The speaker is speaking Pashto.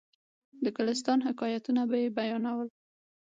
د ګلستان حکایتونه به یې بیانول.